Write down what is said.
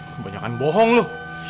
sebanyakan bohong lu